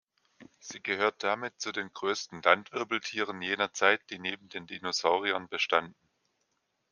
Sie gehört damit zu den größten Landwirbeltieren jener Zeit, die neben den Dinosauriern bestanden.